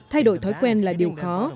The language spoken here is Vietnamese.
thay đổi thói quen là điều khó